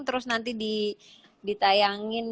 terus nanti ditayangin